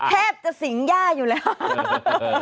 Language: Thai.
แทบจะสิงย่าอยู่เลยค่ะ